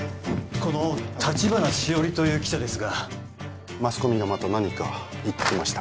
この橘しおりという記者ですがマスコミがまた何か言ってきましたか？